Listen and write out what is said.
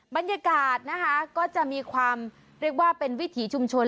บรรยากาศนะคะก็จะมีความเรียกว่าเป็นวิถีชุมชน